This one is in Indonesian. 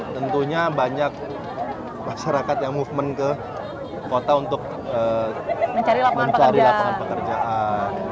tentunya banyak masyarakat yang movement ke kota untuk mencari lapangan pekerjaan